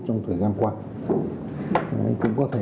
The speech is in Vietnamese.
trong thời gian qua